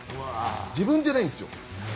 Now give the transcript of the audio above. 自分じゃないんですよ。